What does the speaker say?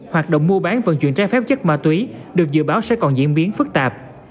hoạt động mua bán vận chuyển trái phép chất ma túy được dự báo sẽ còn diễn biến phức tạp